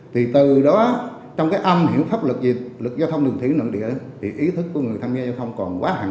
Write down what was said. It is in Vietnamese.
thì từ đó trong cái âm hiểu pháp lực gì lực giao thông đường thủy lực địa thì ý thức của người tham gia giao thông còn quá hàng